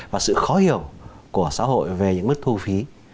và sự khó hiểu của xã hội về những mức thu phí